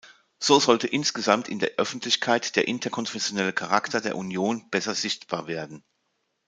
So sollte insgesamt in der Öffentlichkeit der interkonfessionelle Charakter der Union besser sichtbar werden.